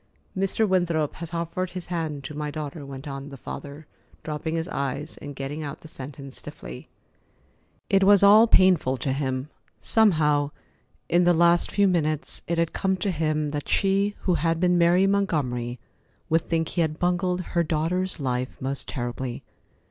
"Mr. Winthrop has offered his hand to my daughter," went on the father, dropping his eyes and getting out the sentence stiffly. It was all painful to him. Somehow, in the last few minutes, it had come to him that she who had been Mary Montgomery would think he had bungled her daughter's life most terribly.